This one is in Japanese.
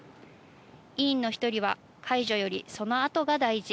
委員の一人は解除よりそのあとが大事。